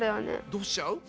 どうしちゃう？